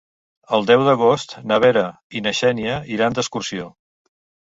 El deu d'agost na Vera i na Xènia iran d'excursió.